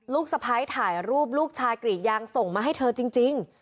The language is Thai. ลูกสะพ้ายถ่ายรูปลูกชายกรีดยางแสวะจริง